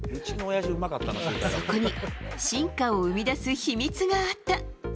そこに進化を生み出す秘密があった。